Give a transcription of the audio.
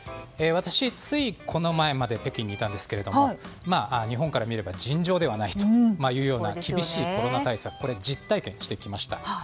私、ついこの前まで北京にいたんですけども日本から見れば尋常ではないという厳しいコロナ対策を実体験してきました。